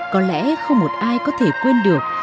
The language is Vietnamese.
có lẽ không một ai có thể quên được